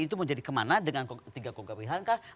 itu mau jadi kemana dengan tiga kogak wilhanka